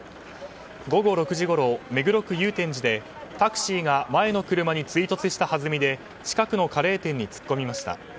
午後６時ごろ、目黒区祐天寺でタクシーが前の車に追突したはずみで近くのカレー店に突っ込みました。